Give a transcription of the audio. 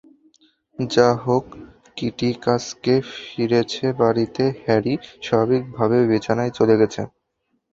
যাহোক, কিটি আজকে ফিরেছে বাড়িতে, হ্যারি স্বাভাবিকভাবেই বিছানায় চলে গেছে।